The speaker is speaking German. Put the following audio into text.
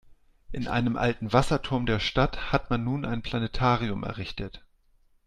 In einem alten Wasserturm der Stadt hat man nun ein Planetarium errichtet.